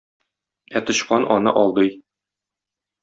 Ә тычкан аны алдый.